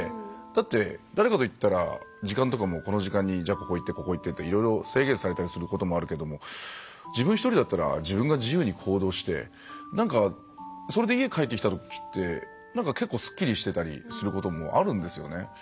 だって誰かと行ったら時間とかもこの時間にじゃあここ行ってここ行ってっていろいろ制限されたりすることもあるけども自分一人だったら自分が自由に行動してなんかそれで家帰ってきたときって結構すっきりしてたりすることもあるんですよね。